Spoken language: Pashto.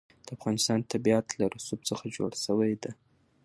د افغانستان طبیعت له رسوب څخه جوړ شوی دی.